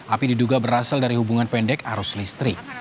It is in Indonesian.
api diduga berasal dari hubungan pendek arus listrik